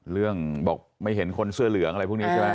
เรื่องบอกไม่เห็นคนเสื้อเหลืองอะไรพวกนี้ใช่ไหม